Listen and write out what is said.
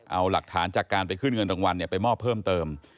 เอาหลักฐานจากการไปขึ้นเงินรางวัลไปมอบเพิ่มเติม